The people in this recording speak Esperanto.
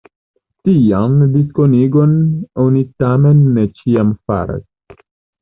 Tian distingon oni tamen ne ĉiam faras.